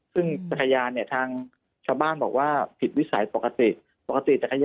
ซึ่งจักรยานทางชาวบ้านบอกว่าผิดวิสัยปกติ